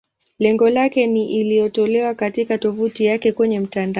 Lengo lake ni iliyotolewa katika tovuti yake kwenye mtandao.